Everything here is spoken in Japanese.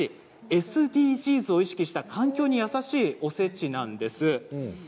ＳＤＧｓを意識した環境に優しいおせちです。